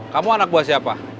kamu anak buah siapa